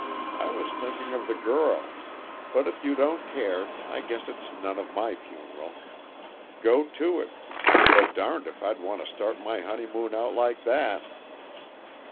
I was thinking of the girl but if you don't care, I guess it's none of my funeral. Go to it but darned if I'd want to start my honeymoon out like that!"